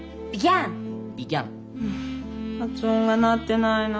発音がなってないな。